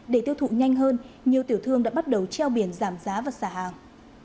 để tiêu thụ nhanh hơn nhiều tiểu thương đã bắt đầu treo biển giảm giá và xả hàng